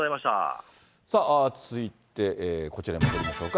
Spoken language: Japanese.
さあ、続いてこちらに戻りましょうか。